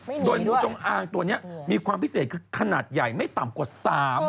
ไม่หนีด้วยโดยหมู่จงอางตัวเนี่ยมีความพิเศษคือขนาดใหญ่ไม่ต่ำกว่า๓เมตร